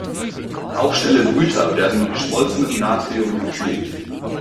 Auch schnelle Brüter werden mit geschmolzenem Natrium gekühlt.